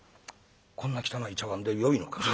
こんな汚い茶碗でよいのか？」。